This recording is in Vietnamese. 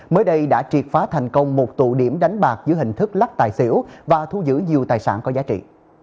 mới đây đã triệt phá thành công một tụ điểm đánh bạc dưới hình thức lắc tài xỉu và thu giữ nhiều tài sản có giá trị